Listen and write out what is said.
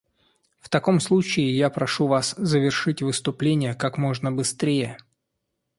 В таком случае я прошу Вас завершить выступление как можно быстрее.